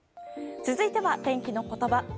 続いては天気のことば。